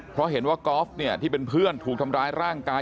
เพราะเห็นว่ากอล์ฟเนี่ยที่เป็นเพื่อนถูกทำร้ายร่างกาย